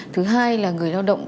thứ hai là người lao động